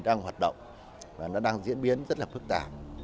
đang hoạt động và nó đang diễn biến rất là phức tạp